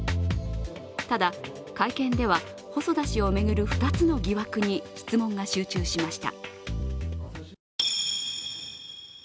ただ、会見では細田氏を巡る２つの疑惑に質問が集中しました。